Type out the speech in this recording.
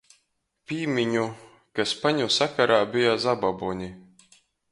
Pīmiņu, ka spaņu sakarā beja zababoni.